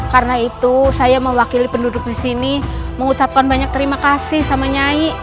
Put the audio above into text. karena itu saya mewakili penduduk di sini mengucapkan banyak terima kasih sama nyai